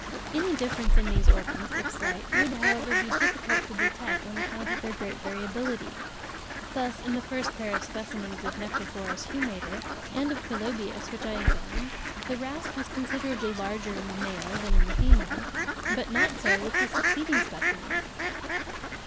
Any difference in these organs, if slight, would, however, be difficult to detect, on account of their great variability. Thus, in the first pair of specimens of Necrophorus humator and of Pelobius which I examined, the rasp was considerably larger in the male than in the female; but not so with succeeding specimens.